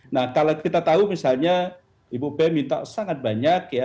nah kalau kita tahu misalnya ibu be minta sangat banyak ya